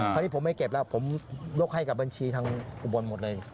พอที่ผมไม่เก็บแล้วผมลดให้กับบัญชีทั้งบนหมดเลย